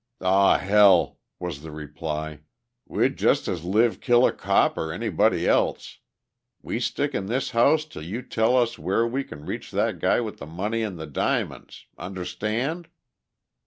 "Aw, hell!" was the reply, "We'd just as lieve kill a cop or anybody else. We stick in this house till you tell us where we can reach that guy with the money and the diamonds—understand?"